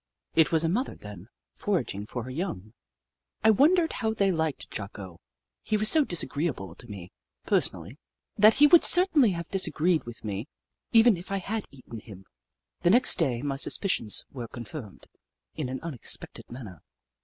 It was a mother, then, foraging for her young. I wondered how they liked Jocko. He was so disagreeable to me, personally, that he would certainly have disagreed with me, even if I had eaten him. The next day, my suspicions were confirmed in an unexpected manner.